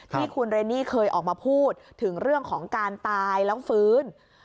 ที่คุณเรนนี่เคยออกมาพูดถึงเรื่องของการตายแล้วฟื้น